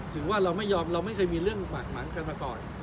ถึงว่าเราไม่ยอมเราไม่เคยมีเรื่องบาดหมางกันมาก่อน